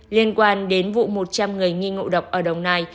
liên quan đến vụ một trăm linh người nghi ngộ độc ở đồng nai